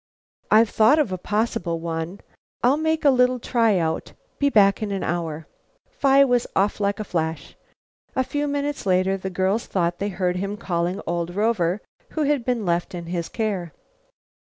"I've thought of a possible one. I'll make a little try out. Be back in an hour." Phi was off like a flash. A few minutes later the girls thought they heard him calling old Rover, who had been left in his care.